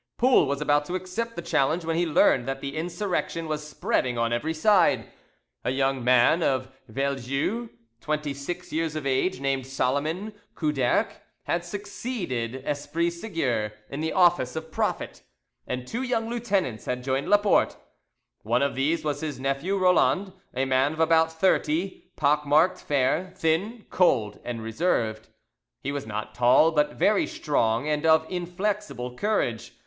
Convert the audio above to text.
Poul was about to accept the challenge when he learned that the insurrection was spreading on every side. A young man of Vieljeu, twenty six years of age, named Solomon Couderc, had succeeded Esprit Seguier in the office of prophet, and two young lieutenants had joined Laporte. One of these was his nephew Roland, a man of about thirty, pock marked, fair, thin, cold, and reserved; he was not tall, but very strong, and of inflexible courage.